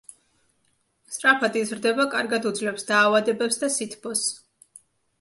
სწრაფად იზრდება, კარგად უძლებს დაავადებებს და სითბოს.